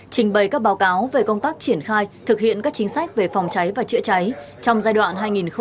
trình bày các báo cáo về công tác triển khai thực hiện các chính sách về phòng cháy và chữa cháy trong giai đoạn hai nghìn một mươi chín hai nghìn hai mươi